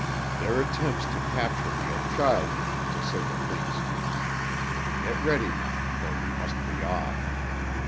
"Their attempts to capture me are childish, to say the least. Get ready now, for we must be off."